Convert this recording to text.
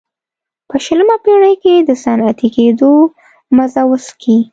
په شلمه پېړۍ کې د صنعتي کېدو مزه وڅکي.